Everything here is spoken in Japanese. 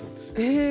へえ！